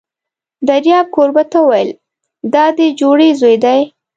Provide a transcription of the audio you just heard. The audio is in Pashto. دریاب کوربه ته وویل: دا دې جوړې زوی دی!